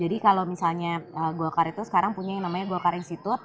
jadi kalau misalnya golkar itu sekarang punya yang namanya golkar institute